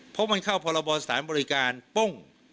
เพราะมันเข้าพรบสารบริการป้ง